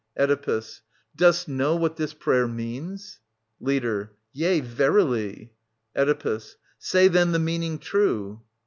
Oedipus. Dost know what this prayer means ? Leader. Yea, verily 1 Oedipus. Say then the meaning true.